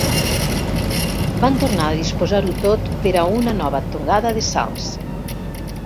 Van tornar a disposar-ho tot per a una nova tongada de salts.